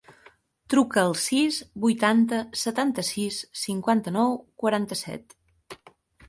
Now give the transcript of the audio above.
Truca al sis, vuitanta, setanta-sis, cinquanta-nou, quaranta-set.